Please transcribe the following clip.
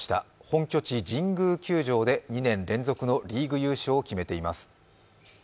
本拠地・神宮球場で２年連続のリーグ優勝を決めています。